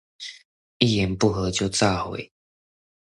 一言不合就炸毀